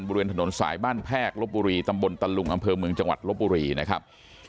บริเวณถนนสายบ้านแพกลบบุรีตำบลตะลุงอำเภอเมืองจังหวัดลบบุรีนะครับ